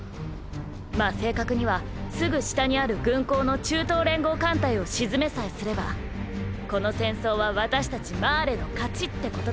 まぁ正確にはすぐ下にある軍港の中東連合艦隊を沈めさえすればこの戦争は私たちマーレの勝ちってことなんだけどね。